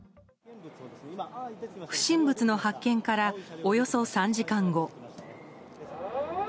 不審物の発見からおよそ３時間後。